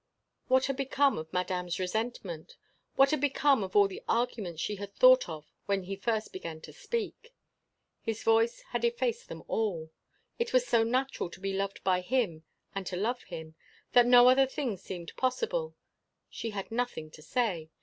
What had become of Madame's resentment? What had become of all the arguments she had thought of when he first began to speak? His voice had effaced them all. It was so natural to be loved by him and to love him, that no other thing seemed possible. She had nothing to say.